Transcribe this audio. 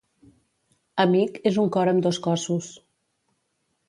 Amic és un cor amb dos cossos.